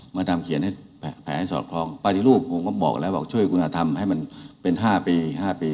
มาทำเขียนให้แผลให้สอดคล้องปฏิรูปผมก็บอกแล้วบอกช่วยคุณธรรมให้มันเป็น๕ปี๕ปี